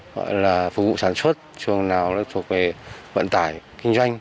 gọi là phục vụ sản xuất xuồng nào nó thuộc về vận tải kinh doanh